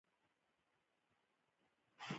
بخاري د کور دننه د هوا د تودوخې لپاره کارېږي.